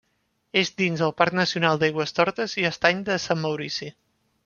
És dins el Parc Nacional d'Aigüestortes i Estany de Sant Maurici.